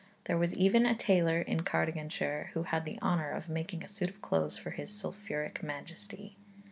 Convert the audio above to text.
There was even a tailor in Cardiganshire who had the honour of making a suit of clothes for his sulphuric majesty.